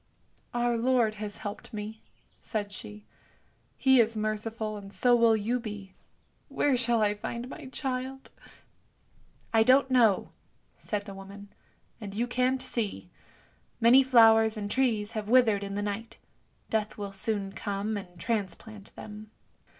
"" Our Lord has helped me," said she. " He is merciful, and so will you be. Where shall I find my child ?"" I don't know," said the woman, " and you can't see. Many flowers and trees have withered in the night; Death will soon come and transplant them.